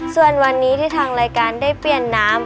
ส่วนวันนี้ที่ทางรายการได้เปลี่ยนน้ำ